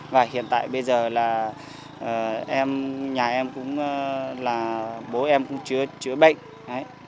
và hiện tại bây giờ là nhà em cũng là bố em cũng chữa bệnh